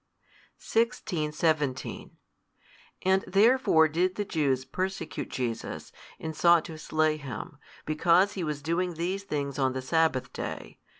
16, 17 And therefore did the Jews persecute Jesus and sought to slay Him, because He was doing these things on the sabbath day.